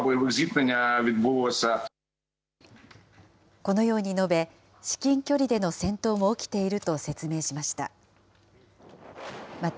このように述べ、至近距離での戦闘も起きていると説明しました。